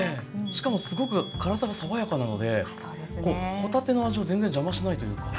しかもすごく辛さが爽やかなので帆立ての味を全然邪魔しないというか。